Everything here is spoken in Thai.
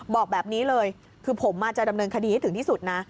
บอกแบบนี้เลยคือผมจะดำเนินคดีให้ถึงที่สุดนะ